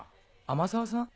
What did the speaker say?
天沢さん？